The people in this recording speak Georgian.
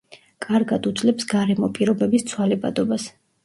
კარგად უძლებს გარემო პირობების ცვალებადობას.